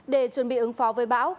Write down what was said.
để chuẩn bị ứng phó với bão